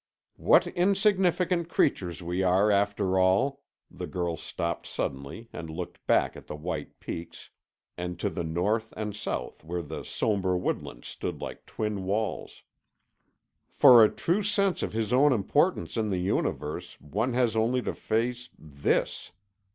"What insignificant creatures we are, after all," the girl stopped suddenly and looked back at the white peaks, and to the north and south where the somber woodland stood like twin walls. "For a true sense of his own importance in the universe one has only to face—this."